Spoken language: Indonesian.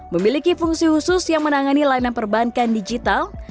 memiliki fungsi khusus yang menangani layanan perbankan digital